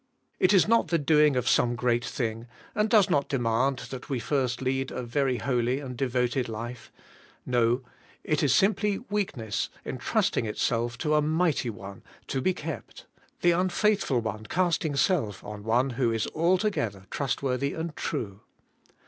It is not the doing of some great thing, and does not demand that we first lead a very holy and devoted life. No, it is TRUSTING HIM TO KEEP YOU, 29 simply weakness entrusting itself to a Mighty One to be kept, — the unfaithful one casting self on One who is altogether trustworthy and true.